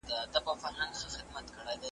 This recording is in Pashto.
موبایل وکاروه!